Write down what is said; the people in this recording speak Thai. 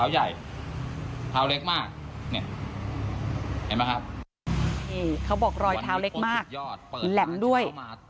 แหลมด้วย